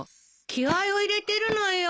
気合を入れてるのよ。